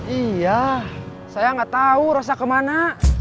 iya saya gak tau rosa kemana